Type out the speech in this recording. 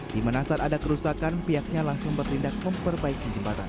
dimana saat ada kerusakan pihaknya langsung berlindak memperbaiki jembatan